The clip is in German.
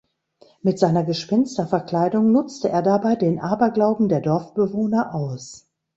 Mit seiner Gespensterverkleidung nutzte er dabei den Aberglauben der Dorfbewohner aus.